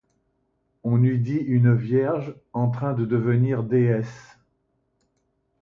On eût dit une vierge en train de devenir déesse.